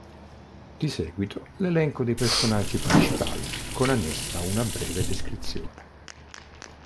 Di seguito l'elenco dei personaggi principali con annessa una breve descrizione.